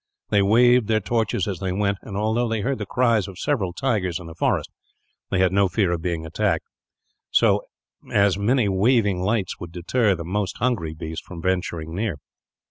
They waved their torches as they went and, although they heard the cries of several tigers in the forest, they had no fear of being attacked; as so many waving lights would deter the most hungry beast from venturing near.